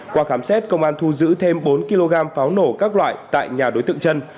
qua khám xét công an thu giữ thêm bốn kg pháo nổ các loại tại nhà đối tượng chân